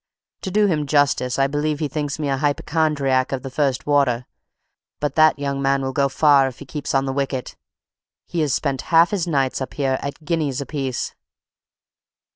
To do him justice, I believe he thinks me a hypochondriac of the first water; but that young man will go far if he keeps on the wicket. He has spent half his nights up here, at guineas apiece."